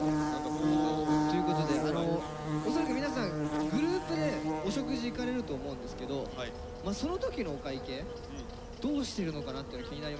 これまた。ということで恐らく皆さんグループでお食事行かれると思うんですけどその時のお会計どうしてるのかなっていうの気になりまして。